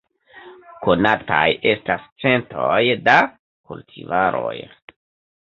Konataj estas centoj da kultivaroj.